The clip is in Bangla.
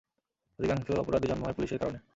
অধিকাংশ অপরাধী জন্ম হয় পুলিশের কারণে।